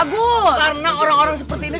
karena orang orang seperti ini